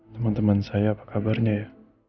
teman teman saya apa kabarnya ya